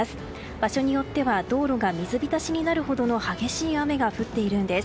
場所によっては道路が水浸しになるほどの激しい雨が降っているんです。